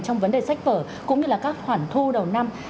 trong vấn đề sách vở cũng như là các khoản thu đầu năm